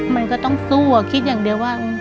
มันก็ต้องสู้อะคิดอย่างเดียวว่า